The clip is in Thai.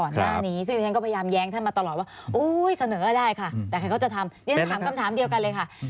นี่ท่านถามคำถามเดียวกันเลยค่ะ